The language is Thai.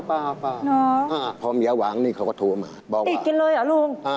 ป้าพอเมียหวังนี่เขาก็โทรมาบอกติดกินเลยเหรอลุง